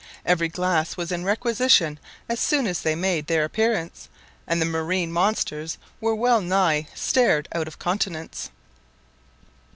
Every glass was in requisition as soon as they made their appearance, and the marine monsters were well nigh stared out of countenance.